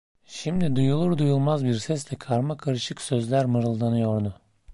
Şimdi duyulur duyulmaz bir sesle karmakarışık sözler mırıldanıyordu.